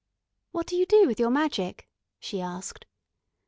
"What do you do with your magic?" she asked.